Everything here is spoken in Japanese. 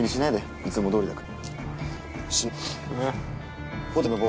いつもどおりだから。